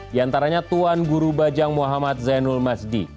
di antaranya tuan guru bajang muhammad zainul masdi